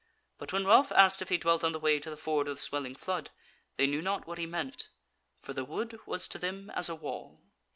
But when Ralph asked if he dwelt on the way to the ford of the Swelling Flood, they knew not what he meant; for the wood was to them as a wall.